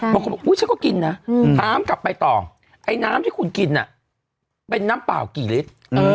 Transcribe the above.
บางคนบอกอุ๊ยฉันก็กินนะถามกลับไปต่อไอ้น้ำที่คุณกินน่ะเป็นน้ำเปล่ากี่ลิตร